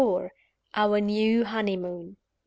OUR NEW HONEYMOON.